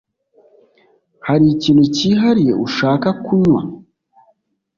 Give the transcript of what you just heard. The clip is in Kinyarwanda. Hari ikintu cyihariye ushaka kunywa